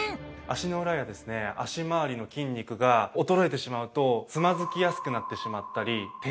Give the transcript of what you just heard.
足の裏やですね脚まわりの筋肉が衰えてしまうとつまずきやすくなってしまったり転倒してしまったり。